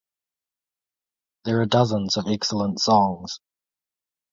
There are dozens of excellent songs.